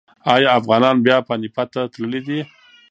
ایا افغانان بیا پاني پت ته تللي دي؟